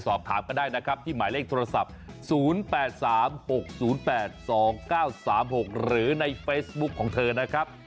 ขอบคุณค่ะขอบคุณครับ